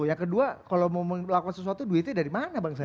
yang kedua kalau mau melakukan sesuatu duitnya dari mana bang sai